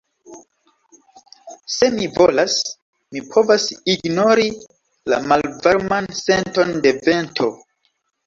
Se mi volas, mi povas ignori la malvarman senton de vento.